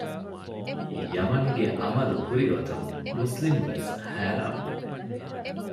ޔަމަންގެ އަމަލު ހުރިގޮތުން މުސްލިމް ވެސް ހައިރާން ވި